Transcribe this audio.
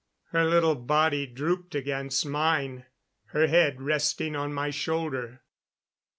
Her little body drooped against mine, her head resting on my shoulder.